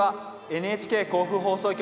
ＮＨＫ甲府放送局